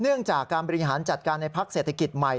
เนื่องจากการบริหารจัดการในพักเศรษฐกิจใหม่